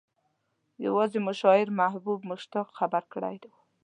يوازې مو شاعر محبوب مشتاق خبر کړی و.